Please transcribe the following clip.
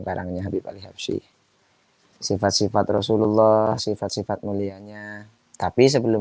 barangnya habib ali habsyi sifat sifat rasulullah sifat sifat mulianya tapi sebelum